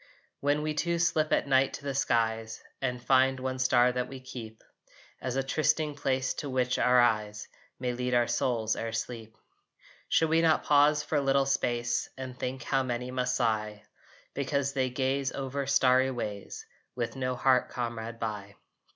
When we two slip at night to the skies And find one star that we keep As a trysting place to which our eyes May lead our souls ere sleep, Should we not pause for a little space And think how many must sigh Because they gaze over starry ways With no heart comrade by?